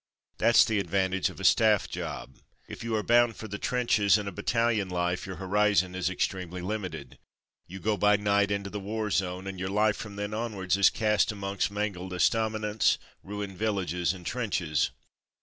That's the advantage of a staff job. If you are bound for the trenches and a battalion life your horizon is extremely limited. You go by night into the war zone, and your life from then onwards is cast amongst mangled estaminets, ruined villages, and trenches.